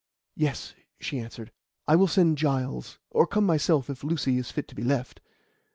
"Yes," she answered. "I will send Giles, or come myself if Lucy is fit to be left."